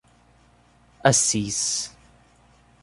Assis